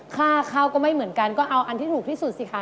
ค่าเข้าก็ไม่เหมือนกันก็เอาอันที่ถูกที่สุดสิคะ